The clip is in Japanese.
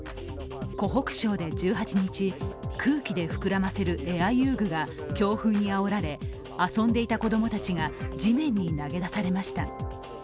湖北省で１８日、空気で膨らませるエア遊具が強風にあおられ、遊んでいた子供たちが地面に投げ出されました。